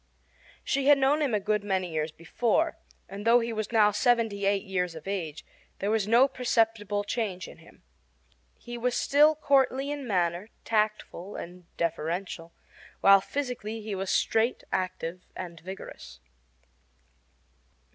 She had known him a good many years before; and, though he was now seventy eight years of age, there was no perceptible change in him. He was still courtly in manner, tactful, and deferential, while physically he was straight, active, and vigorous.